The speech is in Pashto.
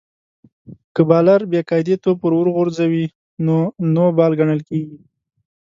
که بالر بې قاعدې توپ ور وغورځوي؛ نو نو بال ګڼل کیږي.